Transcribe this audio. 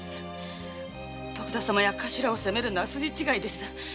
徳田様や頭を責めるのは筋違いです。